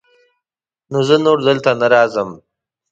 نو زه نور دلته نه راځم.